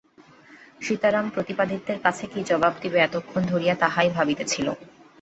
সীতারাম প্রতাপাদিত্যের কাছে কী জবাব দিবে, এতক্ষণ ধরিয়া তাহাই ভাবিতেছিল।